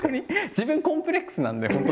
自分コンプレックスなんで本当